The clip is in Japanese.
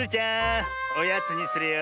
おやつにするよ。